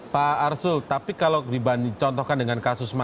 pak arsul tapi kalau dibanding contohkan dengan kasus